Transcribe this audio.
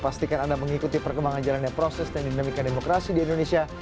pastikan anda mengikuti perkembangan jalannya proses dan dinamika demokrasi di indonesia